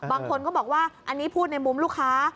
บางคนก็บอกว่าอันนี้พูดในมุมลูกค้า